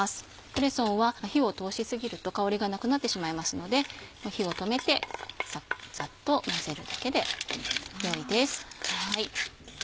クレソンは火を通し過ぎると香りがなくなってしまいますので火を止めてざっと混ぜるだけでよいです。